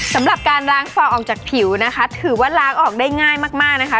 สำหรับการล้างฟอออกจากผิวนะคะถือว่าล้างออกได้ง่ายมากนะคะ